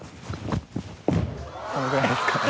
このぐらいですかね。